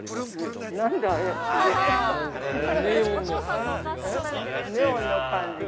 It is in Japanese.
◆ネオンの感じが。